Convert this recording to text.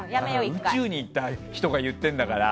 宇宙に行った人が言ってるんだから。